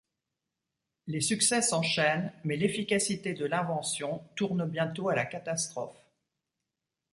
Les succès s'enchaînent, mais l'efficacité de l'invention tourne bientôt à la catastrophe.